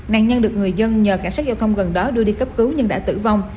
nạn nhân được người dân nhờ cảnh sát giao thông gần đó đưa đi cấp cứu nhưng đã tử vong